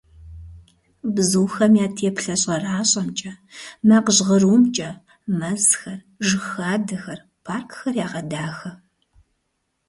Бзухэм я теплъэ щӀэращӀэмкӀэ, макъ жьгърумкӀэ мэзхэр, жыг хадэхэр, паркхэр ягъэдахэ.